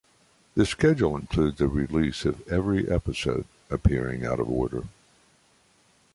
Their schedule includes a release of every episode, appearing out of order.